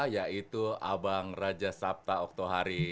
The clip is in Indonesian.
yaitu abang raja sabta oktohari